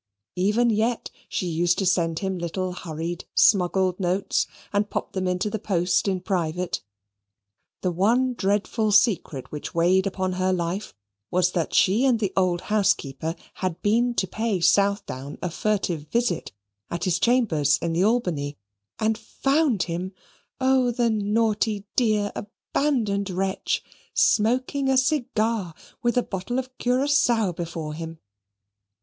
Even yet she used to send him little hurried smuggled notes, and pop them into the post in private. The one dreadful secret which weighed upon her life was, that she and the old housekeeper had been to pay Southdown a furtive visit at his chambers in the Albany; and found him O the naughty dear abandoned wretch! smoking a cigar with a bottle of Curacao before him.